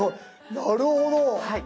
なるほど。